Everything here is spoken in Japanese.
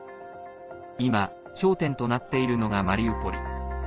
今、焦点となっているのがマリウポリ。